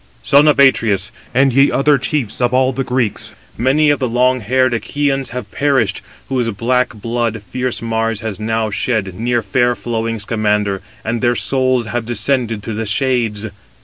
"Son of Atreus, and ye other chiefs of all the Greeks, many of the long haired Achæans have perished, whose black blood fierce Mars has now shed near fair flowing Scamander, and their souls have descended to the shades!